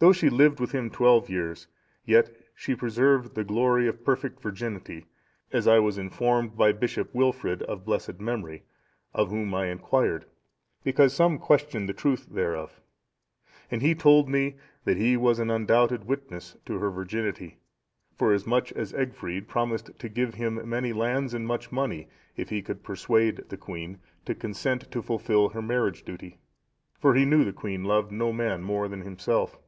Though she lived with him twelve years, yet she preserved the glory of perfect virginity, as I was informed by Bishop Wilfrid, of blessed memory, of whom I inquired, because some questioned the truth thereof; and he told me that he was an undoubted witness to her virginity, forasmuch as Egfrid promised to give him many lands and much money if he could persuade the queen to consent to fulfil her marriage duty, for he knew the queen loved no man more than himself.